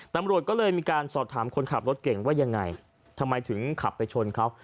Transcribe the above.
ตำรวจก็เลยมีการสอบถามคนขับรถเก่งว่ายังไงทำไมถึงขับไปชนเขา